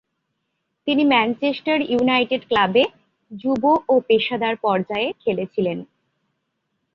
তিনি Manchester United ক্লাবে যুব ও পেশাদার পর্যায়ে খেলেছিলেন।